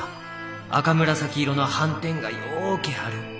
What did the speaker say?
赤紫色の斑点がようけある。